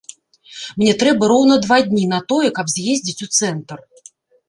Мне трэба роўна два дні на тое, каб з'ездзіць у цэнтр.